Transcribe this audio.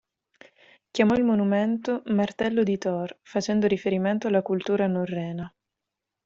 Chiamò il monumento "martello di Thor", facendo riferimento alla cultura norrena.